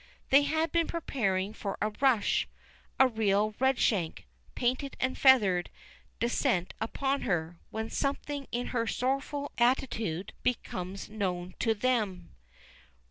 They had been preparing for a rush, a real Redshank, painted and feathered, descent upon her, when something in her sorrowful attitude becomes known to them.